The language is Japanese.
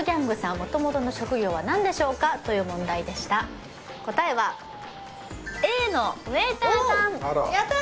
元々の職業は何でしょうか？という問題でした答えはＡのウェイターさんおっやったー！